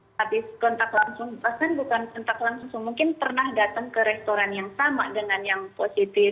tapi kontak langsung bahkan bukan kontak langsung mungkin pernah datang ke restoran yang sama dengan yang positif